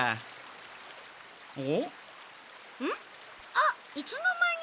あっいつの間に。